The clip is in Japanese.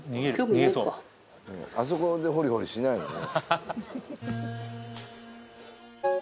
逃げそうあそこでホリホリしないのね